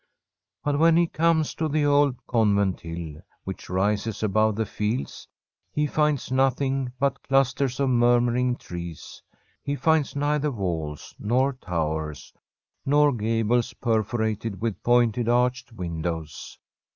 But when he comes to the old Convent Hill which rises above the fields, he finds nothing but clusters of murmuring trees ; he finds neither walls, nor tow ers, nor gables perforated with pointed arched windows.